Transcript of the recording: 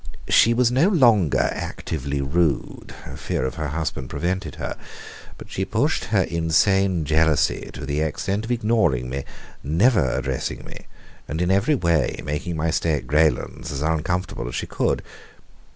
She was no longer actively rude her fear of her husband prevented her but she pushed her insane jealousy to the extent of ignoring me, never addressing me, and in every way making my stay at Greylands as uncomfortable as she could.